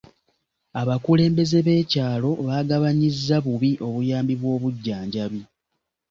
Abakulembeze b'ekyalo baagabanyizza bubi obuyambi bw'obujjanjabi.